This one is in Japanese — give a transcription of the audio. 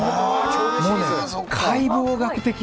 もうね、解剖学的。